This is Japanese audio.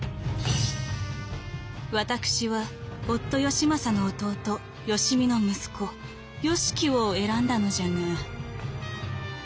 「私は夫義政の弟義視の息子義材を選んだのじゃが」。